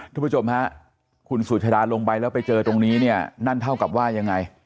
ทุกผู้ชมฮะคุณสุชาดาลงไปแล้วไปเจอตรงนี้เนี่ยนั่นเท่ากับว่ายังไง